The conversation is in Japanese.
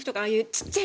小っちゃい